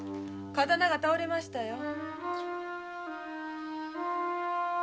刀が倒れましたよ。